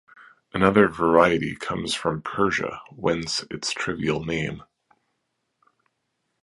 Another variety comes from Persia, whence its trivial name.